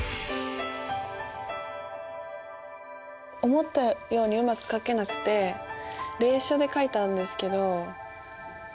思ったようにうまく書けなくて隷書で書いたんですけど。